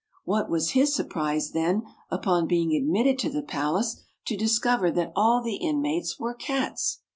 What was his surprise, then, upon being admitted to the palace, to discover that all the inmates were cats!